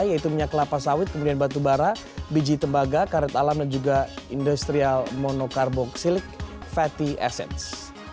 yaitu minyak kelapa sawit kemudian batu bara biji tembaga karet alam dan juga industrial monokarboksilik fatty acids